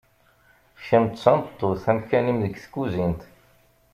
kemm d tameṭṭut amkan-im deg tkuzint.